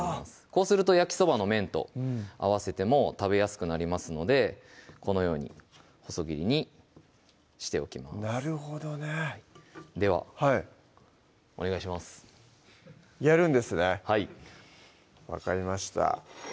こうすると焼きそばの麺と合わせても食べやすくなりますのでこのように細切りにしておきますなるほどねではお願いしますやるんですねはい分かりました